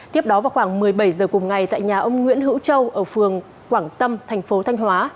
tiếp đó vào khoảng một mươi bảy h cùng ngày tại nhà ông nguyễn hữu châu ở phường quảng tâm thành phố thanh hóa